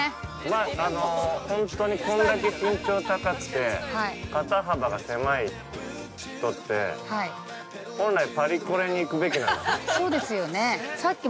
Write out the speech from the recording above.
◆ま、ほんとに、こんだけ身長高くて、肩幅が狭い人って本来パリコレに行くべきなんだって。